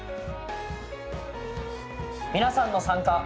皆さんの参加。